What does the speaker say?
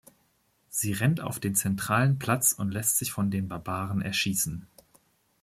Sie rennt auf den zentralen Platz und lässt sich von den Barbaren erschießen.